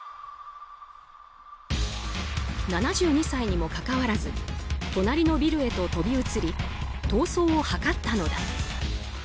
７２歳にもかかわらず隣のビルへと飛び移り逃走を図ったのだ。